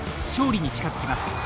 勝利に近づきます。